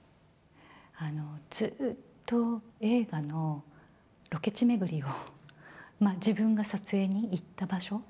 あの、ずっと、映画のロケ地巡りを、自分が撮影に行った場所。